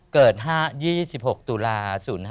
เกิด๒๖ตุลา๐๕